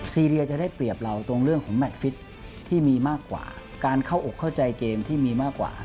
ซีเรียจะได้เปรียบเราตรงเรื่องของแมทฟิตที่มีมากกว่าการเข้าอกเข้าใจเกมที่มีมากกว่า